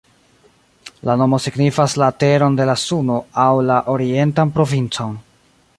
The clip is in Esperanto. La nomo signifas "la teron de la Suno" aŭ "la orientan provincon.